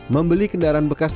membeli kendaraan bekasnya